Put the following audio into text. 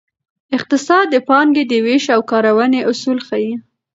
اقتصاد د پانګې د ویش او کارونې اصول ښيي.